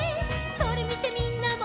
「それみてみんなも」